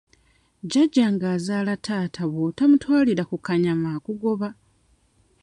Jjajjange azaala taata bw'otamutwalira ku kanyama akugoba.